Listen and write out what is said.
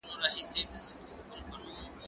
بازار ته ولاړ سه؟